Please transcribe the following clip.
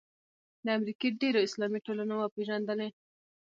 د امریکې ډېرو اسلامي ټولنو وپېژندلې.